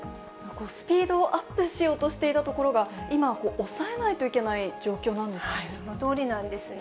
スピードをアップしようとしていたところが、今は抑えないといけない状況なんですね。